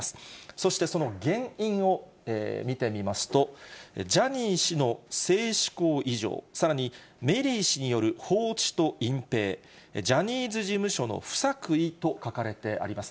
そして、その原因を見てみますと、ジャニー氏の性しこう異常、さらに、メリー氏による放置と隠蔽、ジャニーズ事務所の不作為と書かれてあります。